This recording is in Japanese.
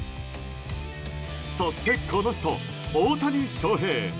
そしてこの人、大谷翔平。